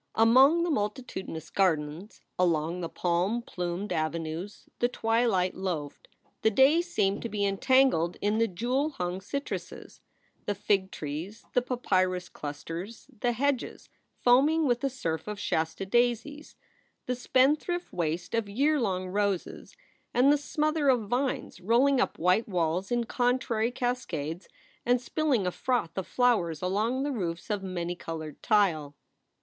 Among the multitudinous gardens, along the palm plumed 2 SOULS FOR SALE avenues, the twilight loafed. The day seemed to be entangled in the jewel hung citruses, the fig trees, the papyrus clusters, the hedges foaming with a surf of Shasta daisies, the spend thrift waste of year long roses, and the smother of vines rolling up white walls in contrary cascades and spilling a froth of flowers along the roofs of many colored tile.